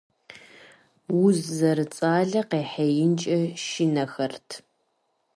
Уз зэрыцӀалэ къэхъеинкӀэ шынэхэрт.